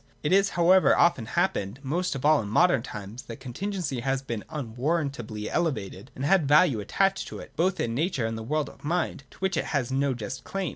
It has however often happened, most of all in modern times, that contingency has been un warrantably elevated, and had a value attached to it, both in nature and the world of mind, to which it has no just claim.